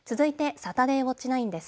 サタデーウオッチ９です。